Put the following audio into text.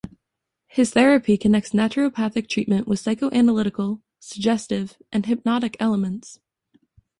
His therapy connects naturopathic treatment with psychoanalytic, suggestive and hypnotic elements.